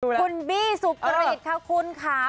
คุณบี้สุกริตค่ะคุณค่ะ